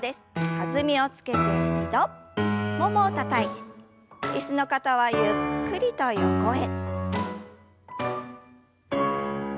弾みをつけて２度ももをたたいて椅子の方はゆっくりと横へ。